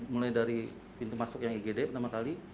mulai dari pintu masuk yang igd pertama kali